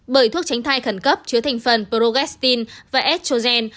bởi thuốc tránh thai khẩn cấp chứa thành phần progestin và estrogen